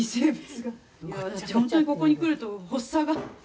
「私本当にここに来ると発作が」